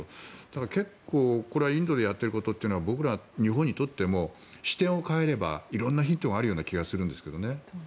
ただ、結構これはインドでやっていることは僕ら日本にとっても視点を変えれば色んなヒントがあるような気がしますけどね。